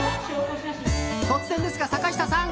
突然ですが、坂下さん